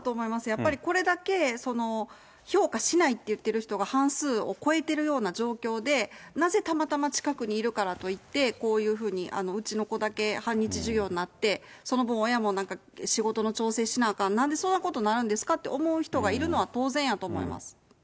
やっぱりこれだけ評価しないって言ってる人が半数を超えてるような状況で、なぜたまたま近くにいるからといって、こういうふうに、うちの子だけ半日授業になって、その分、親も仕事の調整しなきゃあかん、なんでそんなことになるんですかと思う人がいるのは当然やと思います。